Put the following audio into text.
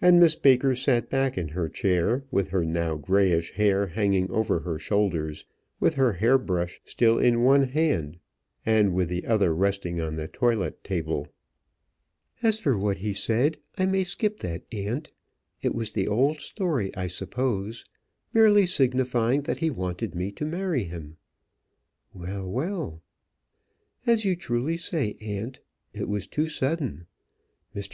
And Miss Baker sat back in her chair, with her now grayish hair hanging over her shoulders, with her hair brush still held in one hand, and with the other resting on the toilet table. "As for what he said, I may skip that, aunt. It was the old story, I suppose, merely signifying that he wanted me to marry him." "Well, well." "As you truly say, aunt; it was too sudden. Mr.